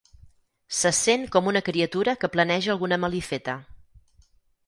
Se sent com una criatura que planeja alguna malifeta.